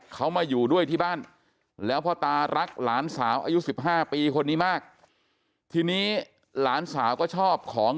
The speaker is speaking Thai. เขามาอยู่ด้วยที่บ้านแล้วพ่อตารักหลานสาวอายุสิบห้าปีคนนี้มาก